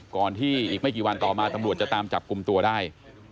ก่อนที่อีกไม่กี่วันต่อมาตำรวจจะตามจับกลุ่มตัวได้